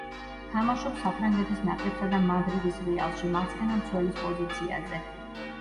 თამაშობს საფრანგეთის ნაკრებსა და მადრიდის „რეალში“ მარცხენა მცველის პოზიციაზე.